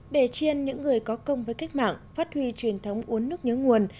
để chiên những người có công với cách mạng phát huy truyền thống uống nước nhớ nguồn